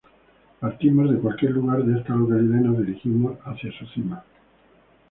Partimos de cualquier lugar de esta localidad y nos dirigimos hacia su cima.